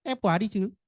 ép quá đi chứ